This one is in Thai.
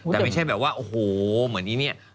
แต่ไม่ใช่แบบว่าโอ้โหเหมือนอีเนี่ย